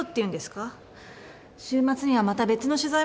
週末にはまた別の取材。